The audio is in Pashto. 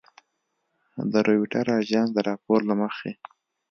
د رویټرز اژانس د راپور له مخې